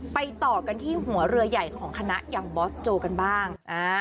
ต่อกันที่หัวเรือใหญ่ของคณะอย่างบอสโจกันบ้าง